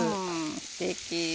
すてき。